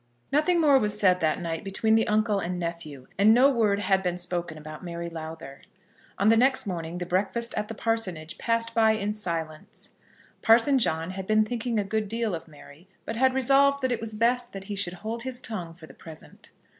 Nothing more was said that night between the uncle and nephew, and no word had been spoken about Mary Lowther. On the next morning the breakfast at the parsonage passed by in silence. Parson John had been thinking a good deal of Mary, but had resolved that it was best that he should hold his tongue for the present.